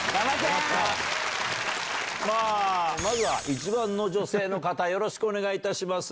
まあ、まずは１番の女性の方、よろしくお願いいたします。